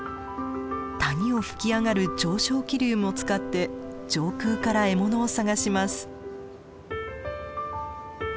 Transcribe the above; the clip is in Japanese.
谷を吹き上がる上昇気流も使って上空から獲物を探します。